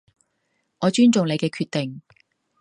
我尊重你嘅決定